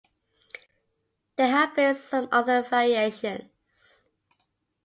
There have been some other variations.